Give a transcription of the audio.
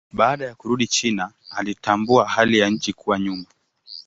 Baada ya kurudi China alitambua hali ya nchi kuwa nyuma.